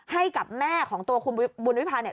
ให้กับแม่ของตัวคุณบุญวิพาเนี่ย